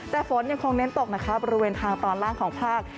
แต่ฝนยังคงเน้นตกนะคะบริเวณทางตอนล่างของภาค